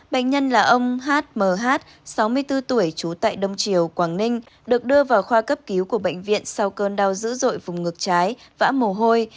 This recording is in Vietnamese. bệnh nhân là ông hm sáu mươi bốn tuổi trú tại đông triều quảng ninh được đưa vào khoa cấp cứu của bệnh viện sau cơn đau dữ dội vùng ngược trái vã mồ hôi